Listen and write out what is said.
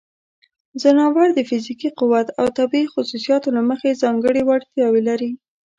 ځناور د فزیکي قوت او طبیعی خصوصیاتو له مخې ځانګړې وړتیاوې لري.